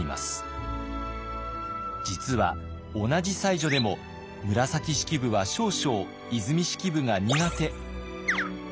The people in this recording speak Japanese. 実は同じ才女でも紫式部は少々和泉式部が苦手。